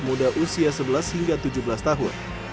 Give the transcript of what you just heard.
muda usia sebelas hingga tujuh belas tahun